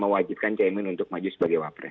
mewajibkan caimin untuk maju sebagai wapres